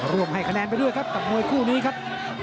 ให้คะแนนไปด้วยครับกับมวยคู่นี้ครับ